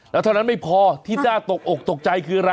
แล้วเท่านั้นไม่พอที่น่าตกอกตกใจคืออะไร